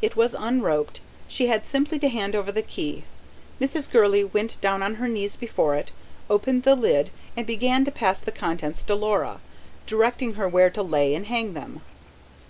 It was unroped; she had simply to hand over the key. Mrs. Gurley went down on her knees before it, opened the lid, and began to pass the contents to Laura, directing her where to lay and hang them.